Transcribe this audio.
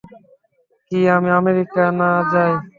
কি আমি আমেরিকা না যাই?